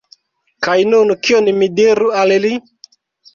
Kaj nun, kion mi diru al li?